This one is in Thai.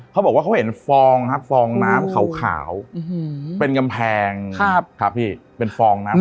เขาบอกว่าเขาเห็นฟองครับฟองน้ำขาวเป็นกำแพงครับพี่เป็นฟองน้ำ